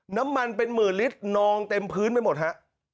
น้ำมันเป็นหมื่นลิตรนองเต็มพื้นไปหมดฮะ